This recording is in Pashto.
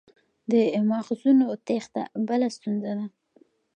د مغزونو تیښته بله ستونزه ده.